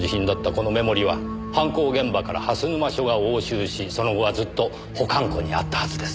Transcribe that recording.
このメモリーは犯行現場から蓮沼署が押収しその後はずっと保管庫にあったはずです。